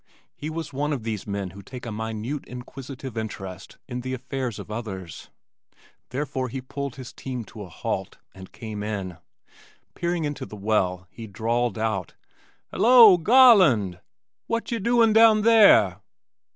He was one of these men who take a minute inquisitive interest in the affairs of others; therefore he pulled his team to a halt and came in. Peering into the well he drawled out, "Hello, Garland. W'at ye doin' down there?"